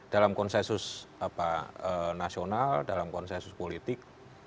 dalam konsensus nasional dalam konsensus politik